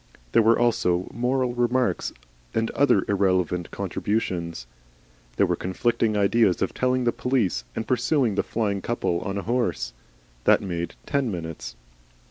There were also moral remarks and other irrelevant contributions. There were conflicting ideas of telling the police and pursuing the flying couple on a horse. That made ten minutes.